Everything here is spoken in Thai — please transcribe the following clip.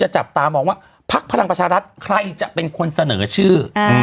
จริงวันนี้คือ